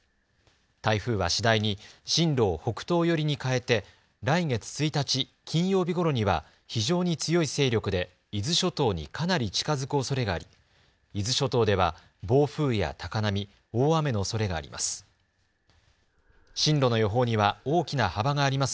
台風は次第に進路を北東寄りに変えて来月１日金曜日ごろには非常に強い勢力で伊豆諸島にかなり近づくおそれがあり伊豆諸島では暴風や高波、大雨のおそれがあります。